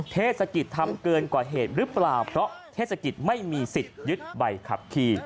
เทศกิจทำเกินกว่าเหตุหรือเปล่าเพราะเทศกิจไม่มีสิทธิ์ยึดใบขับขี่